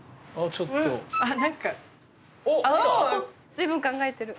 随分考えてる。